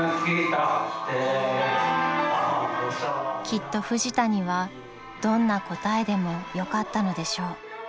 ［きっとフジタにはどんな答えでもよかったのでしょう］